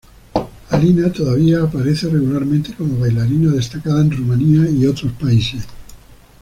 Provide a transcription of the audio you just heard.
Alina todavía aparece regularmente como bailarina destacada en Rumania y otros países.